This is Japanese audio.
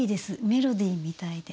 メロディーみたいで。